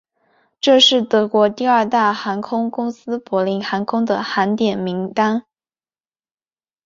这是德国第二大航空公司柏林航空的航点名单。